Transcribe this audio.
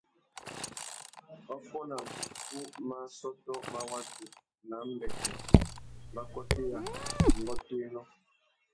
Wa fôna mukú má assôtô má watu nà ambêtê, mbakôtéya, ngôtōénô.